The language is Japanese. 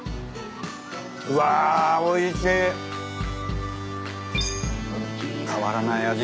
うわおいしい。